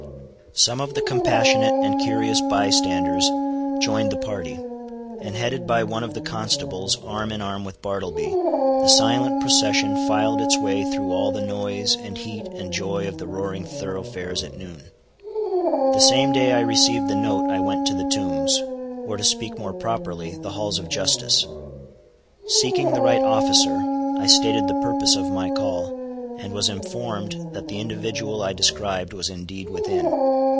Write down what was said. Some of the compassionate and curious bystanders joined the party; and headed by one of the constables arm in arm with Bartleby, the silent procession filed its way through all the noise, and heat, and joy of the roaring thoroughfares at noon. The same day I received the note I went to the Tombs, or to speak more properly, the Halls of Justice. Seeking the right officer, I stated the purpose of my call, and was informed that the individual I described was indeed within.